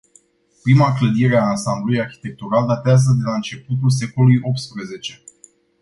Prima clădire a ansambului arhitectural datează de la începutul secolului optsprezece.